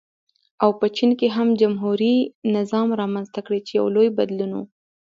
او په چین کې جمهوري نظام رامنځته کړي چې یو لوی بدلون و.